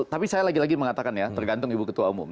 tapi saya lagi lagi mengatakan ya tergantung ibu ketua umum